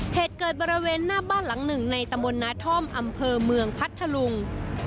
เหตุเกิดบริเวณหน้าบ้านหลังหนึ่งในตำบลนาท่อมอำเภอเมืองพัทธลุง